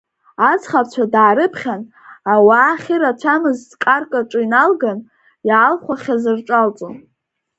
Аӡӷабцәа даарыԥхьан, ауаа ахьырацәамыз ҵкарк аҿы иналган, иаалхәахьаз рҿалҵон.